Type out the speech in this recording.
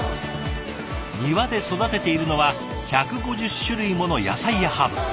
庭で育てているのは１５０種類もの野菜やハーブ。